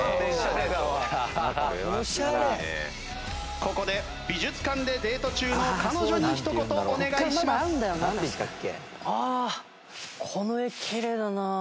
「ここで美術館でデート中の彼女にひと言お願いします」なんて言ったっけ？